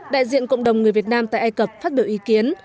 đại diện cộng đồng người việt nam tại ai cập phát biểu ý kiến